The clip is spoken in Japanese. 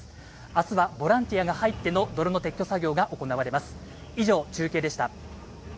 明日はボランティアが入っての泥の撤去作業が行われます